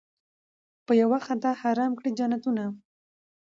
په یوه خطا حرام کړي جنتونه